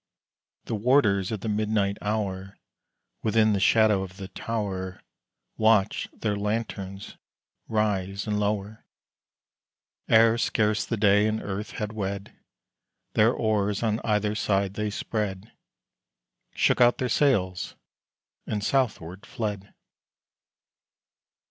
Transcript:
The warders at the midnight hour, Within the shadow of the tower, Watched their lanterns rise and lower. Ere scarce the day and earth had wed, Their oars on either side they spread, Shook out their sails and southward fled.